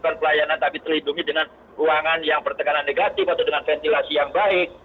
bukan pelayanan tapi terlindungi dengan ruangan yang bertekanan negatif atau dengan ventilasi yang baik